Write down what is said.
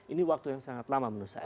ini waktu yang sangat lama menurut saya